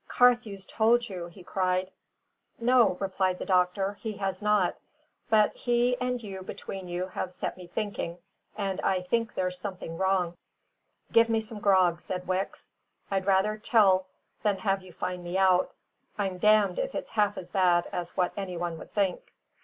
"Carthew's told you," he cried. "No," replied the doctor, "he has not. But he and you between you have set me thinking, and I think there's something wrong." "Give me some grog," said Wicks. "I'd rather tell than have you find out. I'm damned if it's half as bad as what any one would think."